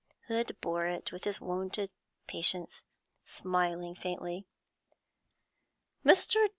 Hood bore it with his wonted patience, smiling faintly. 'Mr.